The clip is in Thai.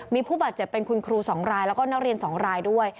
มีผู้บาดเจ็บเป็นคุณครู๒รายแล้วก็นักเรียน๒รายด้วย